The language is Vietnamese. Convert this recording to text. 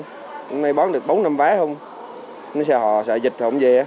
hôm nay bán được bốn năm vé không nó sẽ họa sợ dịch không gì